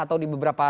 atau di beberapa